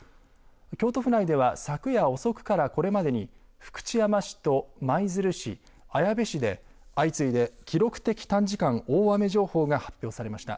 京都府内では昨夜遅くからこれまでに福知山市と舞鶴市、綾部市で相次いで記録的短時間大雨情報が発表されました。